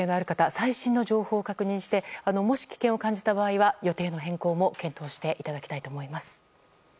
最新の情報を確認してもし危険を感じた場合は予定の変更も検討していただきたいと思います。